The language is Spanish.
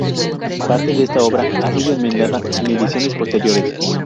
Parte de esta obra ha sido enmendada en ediciones posteriores.